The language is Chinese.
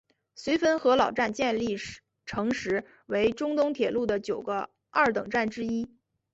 绥芬河老站建立成时为中东铁路的九个二等站之一。